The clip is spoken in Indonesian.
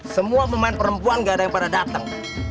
semua pemain perempuan gak ada yang pada datang